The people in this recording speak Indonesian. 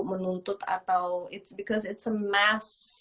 menguntut atau it's because it's a mass